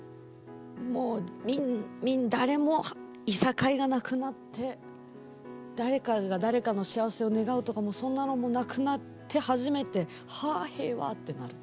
もう誰もいさかいがなくなって誰かが誰かの幸せを願うとかもそんなのもなくなって初めてはあ平和ってなる。